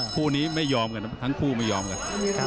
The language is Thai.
คู่นี้ไม่ยอมกันทั้งคู่ไม่ยอมกัน